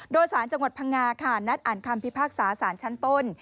โดยสารจังหวัดพังงาค่ะนัดอ่านคำพิพากษาสารชั้นต้น